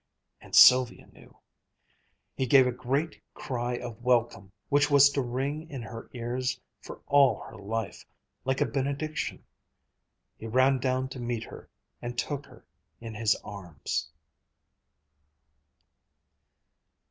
And Sylvia knew. He gave a great cry of welcome which was to ring in her ears for all her life, like a benediction. He ran down to meet her, and took her in his arms.